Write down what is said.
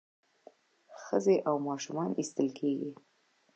ښځې او ماشومان ایستل کېدل.